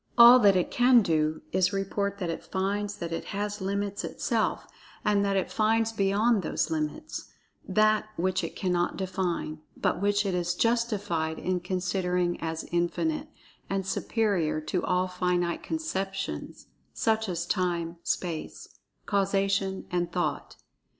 All that it can do is to report that it finds that it has limits itself, and that it finds beyond those limits That which it cannot define, but which it is justified in considering as Infinite, and superior to all finite conceptions, such as Time, Space, Causation and Thought.